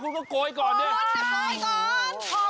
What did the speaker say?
โกยเตรียมตัว